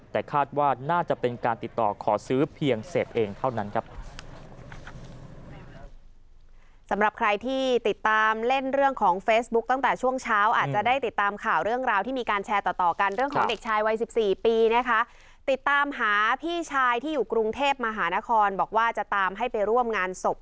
แต่คาดว่าน่าจะเป็นการติดต่อขอซื้อเพียงเสพเองเท่านั้นครับ